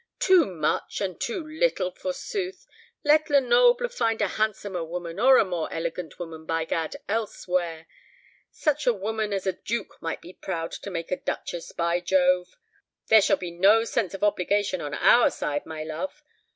Too much, and too little, forsooth! Let Lenoble find a handsomer woman, or a more elegant woman, by gad, elsewhere! Such a woman as a duke might be proud to make his duchess, by Jove! There shall be no sense of obligation on our side, my love.